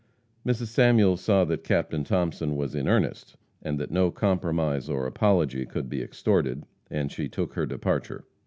Mrs. Samuels saw that Captain Thomason was in earnest, and that no compromise or apology could be extorted, and she took her departure.